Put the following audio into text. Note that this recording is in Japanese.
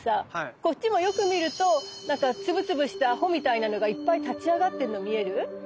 こっちもよく見るとなんか粒々した穂みたいなのがいっぱい立ち上がってるの見える？